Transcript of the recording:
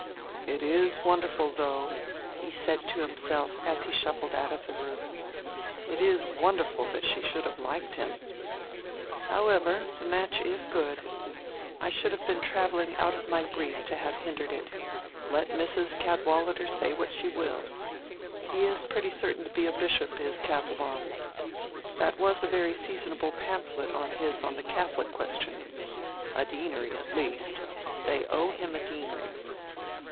"It is wonderful, though," he said to himself as he shuffled out of the room—"it is wonderful that she should have liked him. However, the match is good. I should have been travelling out of my brief to have hindered it, let Mrs. Cadwallader say what she will. He is pretty certain to be a bishop, is Casaubon. That was a very seasonable pamphlet of his on the Catholic Question:—a deanery at least. They owe him a deanery."